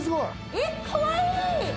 えっ、かわいい。